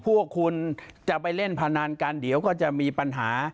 พวกคุณจะไปเล่นพนันกันเดี๋ยวก็จะมีปัญหา